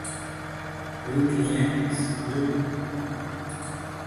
«Yur, tuzemets, yur!»